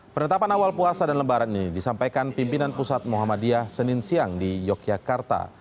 penetapan awal puasa dan lebaran ini disampaikan pimpinan pusat muhammadiyah senin siang di yogyakarta